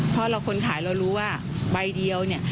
เพราะเราคนขายเรารู้ว่าใบเดียว